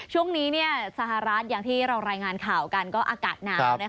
ช่วงนี้สหรัฐอย่างที่เรารายงานข่าวกันก็อากาศหนาว